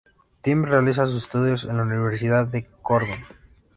Tim realiza sus estudios en la Universidad de Cornell.